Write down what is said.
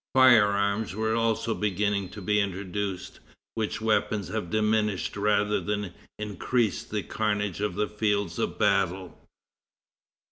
Fire arms were also beginning to be introduced, which weapons have diminished rather than increased the carnage of fields of battle.